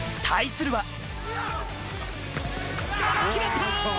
対するは。